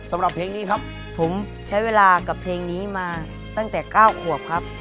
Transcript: สำหรับเพลงนี้ครับผมใช้เวลากับเพลงนี้มาตั้งแต่๙ขวบครับ